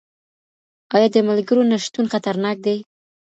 آيا د ملګرو نشتون خطرناک دی؟